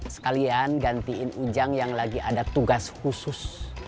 sekalian gantiin ujang yang lagi ada tugas khusus